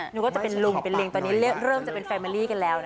นึกว่าจะเป็นลุงเป็นลิงตอนนี้เริ่มจะเป็นแฟเมอรี่กันแล้วนะ